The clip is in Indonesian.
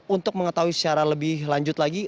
untuk mengetahui secara lebih lanjut lagi